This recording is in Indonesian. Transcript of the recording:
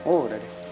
oh udah deh